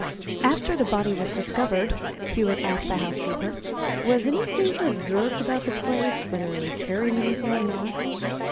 "After the body was discovered," Hewitt asked the housekeeper, "was any stranger observed about the place whether carrying anything or not?"